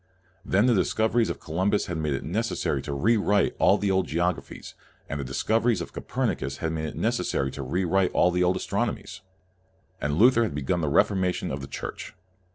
Then the dis coveries of Columbus had made it neces sary to re write all the old geographies, and the discoveries of Copernicus had made it necessary to re write all the old astronomies. And Luther had begun the Reformation of the Church.